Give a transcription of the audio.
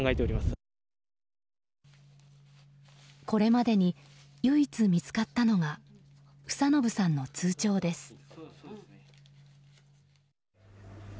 これまでに唯一見つかったのが房信さんの通帳です。